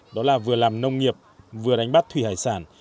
đó là vừa làm nông nghiệp vừa đánh bắt thủy hải sản